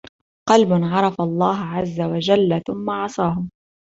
قَلْبٌ عَرَفَ اللَّهَ عَزَّ وَجَلَّ ثُمَّ عَصَاهُ